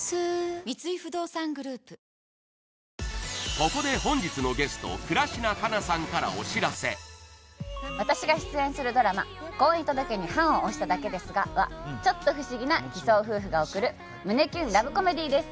ここで本日のゲスト私が出演するドラマ「婚姻届に判を捺しただけですが」はちょっと不思議な偽装夫婦が贈る胸キュンラブコメディーです